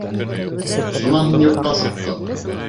Шунан һин юҡҡа сыҡтың.